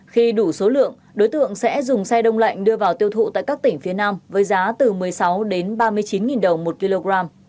khi đủ số lượng đối tượng sẽ dùng xe đông lạnh đưa vào tiêu thụ tại các tỉnh phía nam với giá từ một mươi sáu đến ba mươi chín đồng một kg